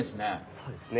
そうですね。